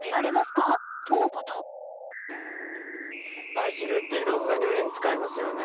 バジルっていろんな料理に使えますよね。